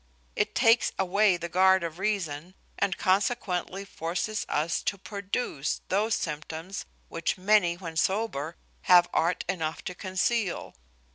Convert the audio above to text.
It takes away the guard of reason, and consequently forces us to produce those symptoms, which many, when sober, have art enough to conceal.